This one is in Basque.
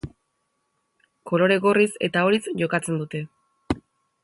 Kolore gorriz eta horiz jokatzen dute.